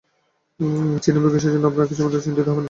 চিনেছি বৈকি, সেজন্যে আপনারা কিছুমাত্র চিন্তিত হবেন না।